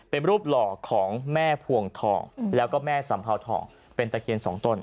เป็นรูปหล่อของแม่พวงทองแล้วก็แม่สัมเภาทองเป็นตะเคียนสองต้น